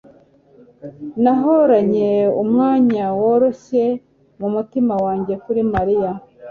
Nahoranye umwanya woroshye mumutima wanjye kuri Mariya.